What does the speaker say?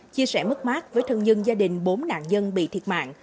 chia sẻ mất mát với thân nhân gia đình bốn nạn nhân bị thiệt mạng